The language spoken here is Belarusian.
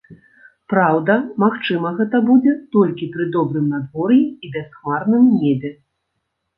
Праўда, магчыма гэта будзе толькі пры добрым надвор'і і бясхмарным небе.